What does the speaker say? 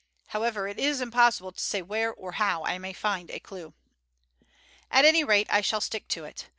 However, it is impossible to say where or how I may find a clue. "At any rate I shall stick to it.